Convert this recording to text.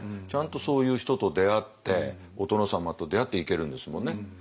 ちゃんとそういう人と出会ってお殿様と出会って行けるんですもんね。